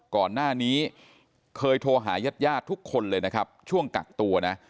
ก่อนหน้านี้เคยโทรหายาดทุกคนเลยนะครับช่วงกักตัวนะ